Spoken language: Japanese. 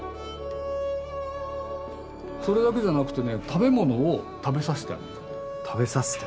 それだけじゃなくてね食べ物を食べさせて？